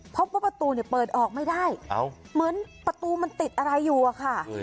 พบว่าประตูเนี่ยเปิดออกไม่ได้เหมือนประตูมันติดอะไรอยู่อะค่ะ